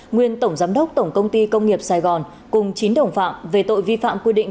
nguyên tổng giám đốc tổng công ty công nghiệp sài gòn cùng chín đồng phạm về tội vi phạm quy định